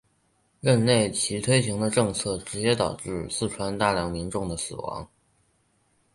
任内其推行的政策直接导致四川大量民众的死亡。